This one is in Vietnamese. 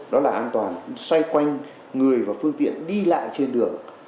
đó là an toàn xoay quanh người và phương tiện đi lại trên đường